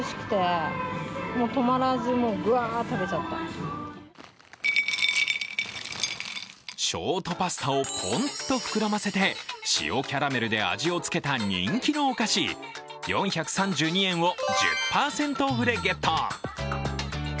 するとショートパスタをぽんっと膨らませて塩キャラメルで味をつけた人気のお菓子、４３２円を１０％オフでゲット。